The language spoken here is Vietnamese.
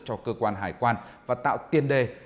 cho cơ quan hải quan và tạo tiên đề